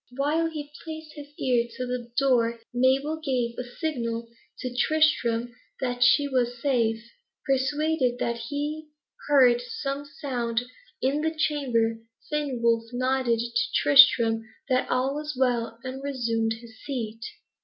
While he placed his ear to the door, Mabel gave a signal to Tristram that she was safe. Persuaded that he heard some sound in the chamber, Fenwolf nodded to Tristram that all was right, and resumed his seat.